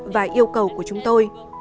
và yêu cầu của chúng tôi